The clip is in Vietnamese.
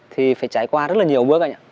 thì phải trải qua rất là nhiều bước anh ạ